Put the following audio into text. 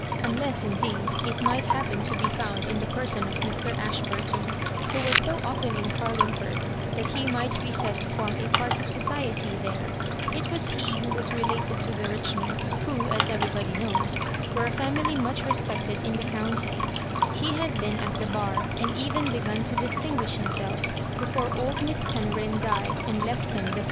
Unless, indeed, it might happen to be found in the person of Mr. Ashburton, who was so often in Carlingford that he might be said to form a part of society there. It was he who was re lated to the Richmonds, who, as everybody Digitized by LjOOQIC MISS MABJOBIBANKS. Uf> knows, were a iamilj much reispected in the ooTinty. He bad been at the bar, and even be gan to distinguish himself before old Miss Fenrbjn died and left him the Firs.